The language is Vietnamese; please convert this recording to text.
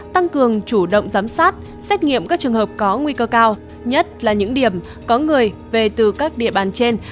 tăng cường chủ động giám sát xét nghiệm các trường hợp có nguy cơ cao nhất là những điểm có người về từ các địa bàn trên